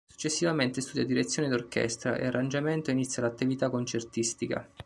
Successivamente studia direzione d’orchestra e arrangiamento e inizia l’attività concertistica.